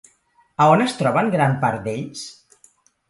On es troben gran part d'ells?